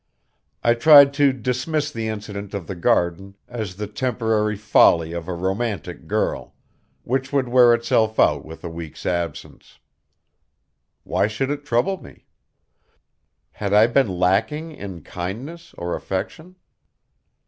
I tried to dismiss the incident of the garden as the temporary folly of a romantic girl, which would wear itself out with a week's absence. Why should it trouble me? Had I been lacking in kindness or affection?